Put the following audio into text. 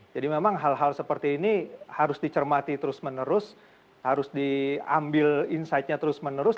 jadi memang hal hal seperti ini harus dicermati terus menerus harus diambil insightnya terus menerus